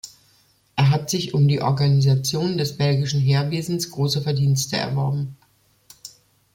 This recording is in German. Er hat sich um die Organisation des belgischen Heerwesens große Verdienste erworben.